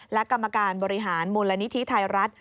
และกรรมการบริหารมูลนิธิไทยรัฐ